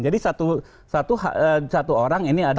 jadi satu orang ini ada